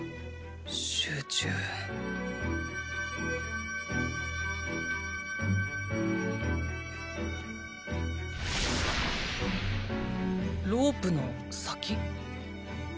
集中ロープの先？